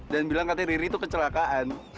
dan bilang katanya riri tuh kecelakaan